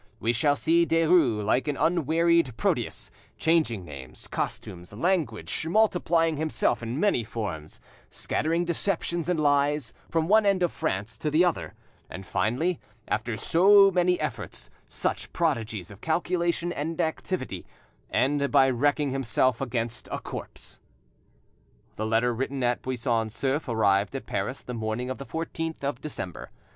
We shall see Derues like an unwearied Proteus, changing names, costumes, language, multiplying himself in many forms, scattering deceptions and lies from one end of France to the other; and finally, after so many efforts, such prodigies of calculation and activity, end by wrecking himself against a corpse. The letter written at Buisson Souef arrived at Paris the morning of the 14th of December.